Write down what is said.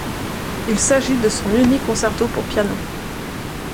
Il s'agit de son unique concerto pour piano.